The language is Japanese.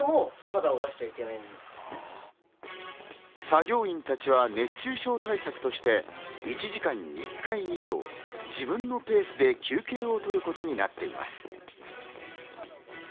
作業員たちは熱中症対策として、１時間に１回以上、自分のペースで休憩を取ることになっています。